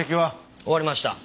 終わりました。